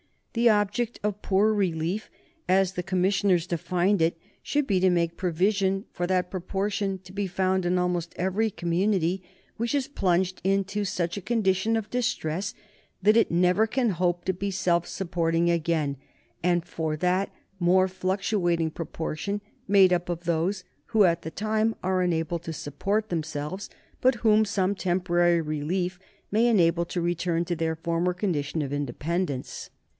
The object of poor relief, as the commissioners defined it, should be to make provision for that proportion, to be found in almost every community, which is plunged into such a condition of distress that it never can hope to be self supporting again, and for that more fluctuating proportion made up of those who at the time are unable to support themselves, but whom some temporary relief may enable to return to their former condition of independence.